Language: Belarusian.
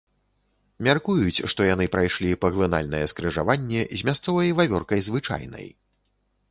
Мяркуюць, што яны прайшлі паглынальнае скрыжаванне з мясцовай вавёркай звычайнай.